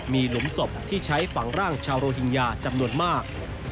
มีหลุมศพที่ใช้ฝังร่างชาวโรฮิงญาจำนวนมาก